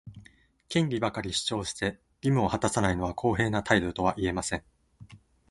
権利ばかり主張して、義務を果たさないのは公平な態度とは言えません。